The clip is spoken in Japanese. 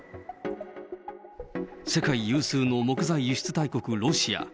世界有数の木材輸出大国、ロシア。